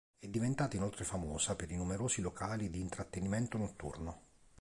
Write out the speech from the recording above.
È diventata inoltre famosa per i numerosi locali di intrattenimento notturno.